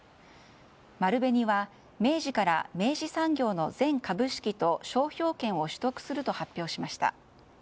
丸紅は明治から明治産業の全株式と商標権を取得すると発表しました。